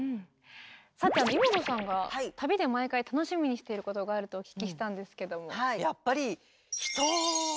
さてイモトさんが旅で毎回楽しみにしてることがあるとお聞きしたんですけども。